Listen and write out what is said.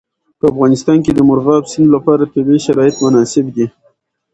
په افغانستان کې د مورغاب سیند لپاره طبیعي شرایط مناسب دي.